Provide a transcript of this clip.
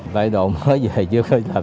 tại độ mới về chưa có làm kịp